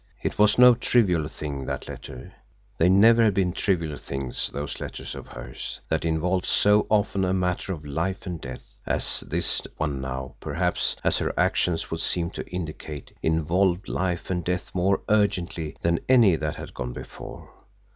It was no trivial thing, that letter; they never had been trivial things, those letters of hers, that involved so often a matter of life and death as this one now, perhaps, as her actions would seem to indicate, involved life and death more urgently than any that had gone before.